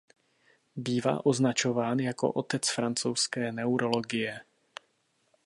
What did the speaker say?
Bývá označován jako „otec francouzské neurologie“.